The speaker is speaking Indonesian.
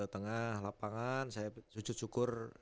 tengah lapangan saya sujud syukur